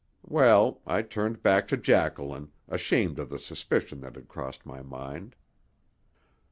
Well I turned back to Jacqueline, ashamed of the suspicion that had crossed my mind.